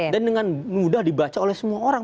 dan dengan mudah dibaca oleh semua orang